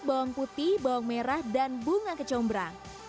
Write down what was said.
bawang putih bawang merah dan bunga kecombrang